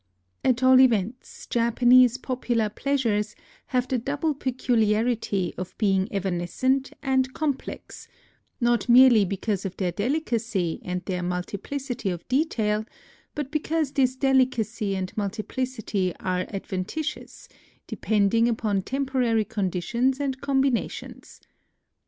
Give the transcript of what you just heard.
At all events, Japanese popular pleasures have the double peculiarity of being evanescent and complex, not merely because of their delicacy and their multiplicity of detail, but because this delicacy and multiplicity are adventitious, depending upon temporary conditions and combinations.